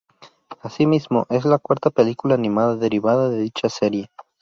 Así mismo, es la cuarta película animada derivada de dicha serie.